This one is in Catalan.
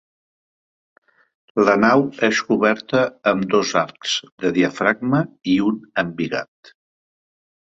La nau és coberta amb dos arcs de diafragma i un embigat.